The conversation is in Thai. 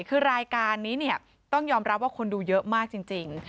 คือรายการนี้เนี่ยต้องยอมรับว่าคนดูเยอะมากจริง